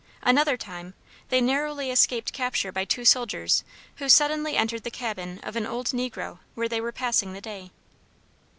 Another time they narrowly escaped capture by two soldiers who suddenly entered the cabin of an old negro where they were passing the day.